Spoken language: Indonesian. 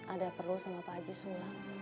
ada perlu sama pak haji sula